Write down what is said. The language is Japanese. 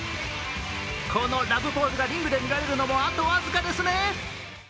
このラブポーズがリングで見られるのもあと僅かですね。